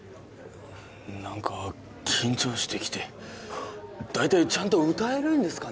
なんか緊張してきて大体ちゃんと歌えるんですかね